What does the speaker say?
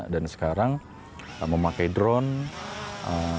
dan sekarang memakai drone